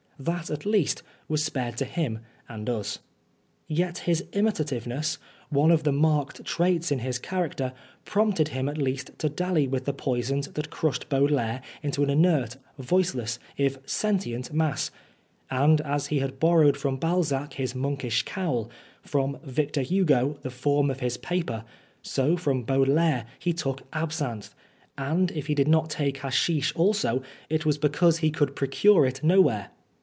That at least was spared to him and us. Yet his imitativeness, one of the marked traits in his character, prompted him at least to dally with the poisons that crushed 46 Oscar Wilde Baudelaire into an inert, voiceless, if sentient mass ; and as he had borrowed from Balzac his monkish cowl, from Victor Hugo the form of his paper, so from Baudelaire he took absinthe ; and if he did not take haschish also, it was because he could procure it nowhere.